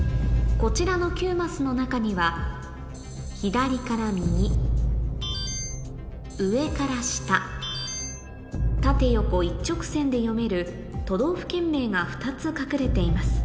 こちらの９マスの中には左から右上から下縦横一直線で読める都道府県名が２つ隠れています